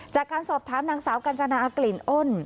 จากการสอบถามนางสาวกัญจนากลิ่นอ้น